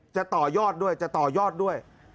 จะต่อยอดด้วยจะต่อยอดด้วย